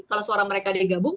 kalau suara mereka dari gabung